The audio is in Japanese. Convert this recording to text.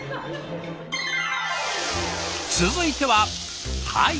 続いてははい！